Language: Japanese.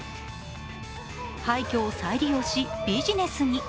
廃虚を再利用しビジネスに。